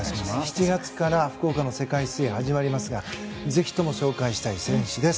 ７月から福岡の世界水泳が始まりますがぜひとも紹介したい選手です。